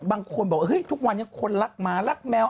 บางคนบอกเฮ้ยทุกวันนี้คนรักหมารักแมว